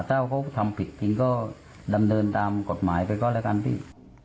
ถ้าเขาทำผิดจริงก็ดำเนินตามกฎหมายไปก็แล้วกันพี่